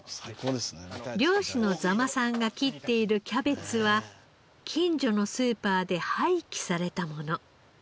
漁師の座間さんが切っているキャベツは近所のスーパーで廃棄されたもの。